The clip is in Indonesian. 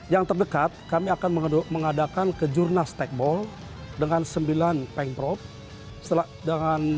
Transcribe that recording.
yang terdekat kami akan mengadakan kejurnas tekbol dengan sembilan pengurus provinsi